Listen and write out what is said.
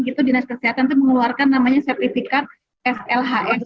dan itu dinas kesehatan itu mengeluarkan namanya sertifikat slhs